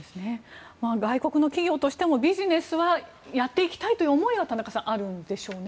外国の企業としてもビジネスはやっていきたい思いは田中さん、あるんでしょうね。